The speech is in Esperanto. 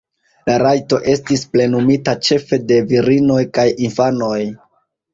La rajto estis plenumita ĉefe de virinoj kaj infanoj.